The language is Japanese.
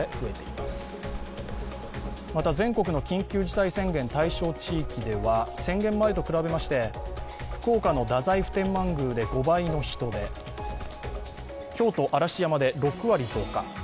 また、全国の緊急事態宣言対象地域では宣言前と比べまして福岡の太宰府天満宮で５倍の人出、京都・嵐山で６割増加